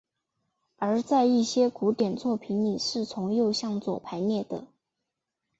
而在一些古典作品里是从右向左排列的。